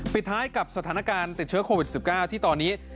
ปิดท้ายกับสถานการณ์ติดเชื้อโควิด๑๙ที่ตอนนี้